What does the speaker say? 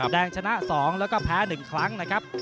แดงชนะ๒แล้วก็แพ้๑ครั้งนะครับ